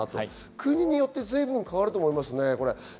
国によって随分変わると思いますね。